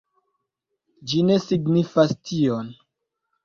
Ĝi ne signifas tion.